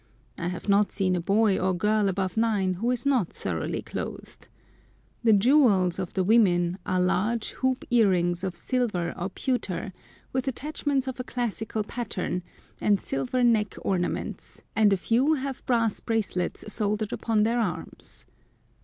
I have not seen a boy or girl above nine who is not thoroughly clothed. The "jewels" of the women are large, hoop earrings of silver or pewter, with attachments of a classical pattern, and silver neck ornaments, and a few have brass bracelets soldered upon their arms.